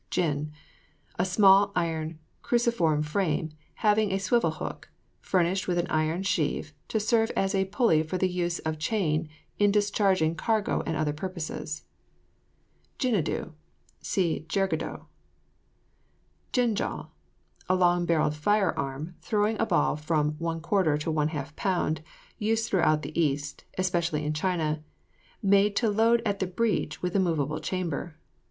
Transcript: GIN. A small iron cruciform frame, having a swivel hook, furnished with an iron sheave, to serve as a pulley for the use of chain in discharging cargo and other purposes. GINGADO. See JERGADO. GINGAL. A long barrelled fire arm, throwing a ball of from 1/4 to 1/2 lb., used throughout the East, especially in China; made to load at the breach with a movable chamber.